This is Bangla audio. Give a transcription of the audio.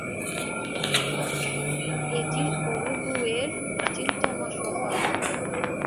এটি উরুগুয়ের প্রাচীনতম শহর।